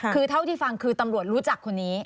คือเท่าที่ฟังคือตำรวจรู้จักคนนี้